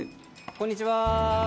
こんにちは！